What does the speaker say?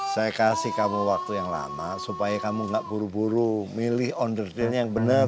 saya kasih kamu waktu yang lama supaya kamu ga buru buru milih onderdilnya yang bener